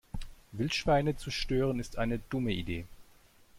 Wildschweine zu stören ist eine dumme Idee.